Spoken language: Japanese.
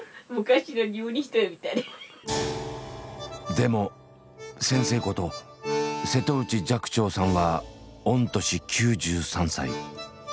でも先生こと瀬戸内寂聴さんは御年９３歳。